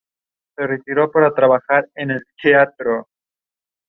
El demo de Famitsu es de color naranja y el otro de color azul.